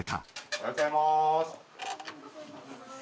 おはようございます。